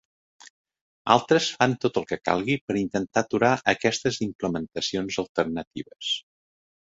Altres fan tot el que calgui per intentar aturar aquestes implementacions alternatives.